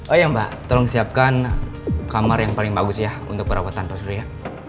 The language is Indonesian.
oh iya mbak tolong siapkan kamar yang paling bagus ya untuk perawatan pak surya